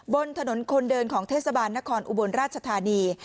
บนถนนคนเดินของเทศบาลนครอุบลราชธานี